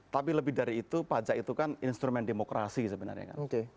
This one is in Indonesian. tapi lebih dari itu pajak itu kan instrumen demokrasi sebenarnya kan